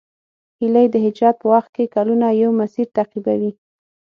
هیلۍ د هجرت په وخت کلونه یو مسیر تعقیبوي